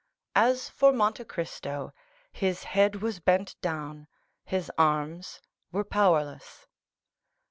As for Monte Cristo, his head was bent down, his arms were powerless.